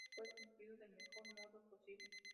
El encargo fue cumplido del mejor modo posible.